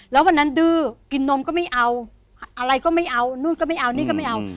แล้ววันนั้นดื้อกินนมก็ไม่เอาอะไรก็ไม่เอานู่นก็ไม่เอานี่ก็ไม่เอา